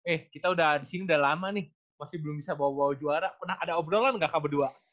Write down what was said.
eh kita udah disini udah lama nih masih belum bisa bawa bawa juara pernah ada obrolan nggak kamu berdua